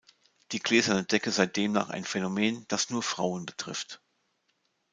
Die Gläserne Decke sei demnach ein Phänomen, das nur Frauen betrifft.